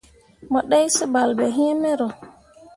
Mo ɗai seɓal ɓe iŋ mero.